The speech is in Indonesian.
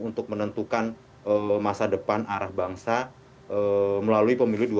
untuk menentukan masa depan arah bangsa melalui pemilih dua ribu dua puluh empat nanti caca